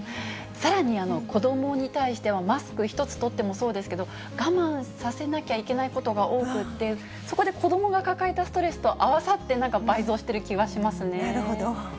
さらに、子どもに対してはマスク一つとってもそうですけど、我慢させなきゃいけないことが多くて、そこで子どもが抱えたストレスと合わさって、なるほど。